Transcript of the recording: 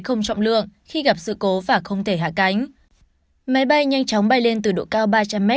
không trọng lượng khi gặp sự cố và không thể hạ cánh máy bay nhanh chóng bay lên từ độ cao ba trăm linh m